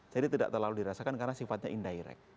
jadi tidak terlalu dirasakan karena sifatnya indirect